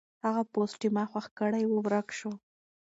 هغه پوسټ چې ما خوښ کړی و ورک شو.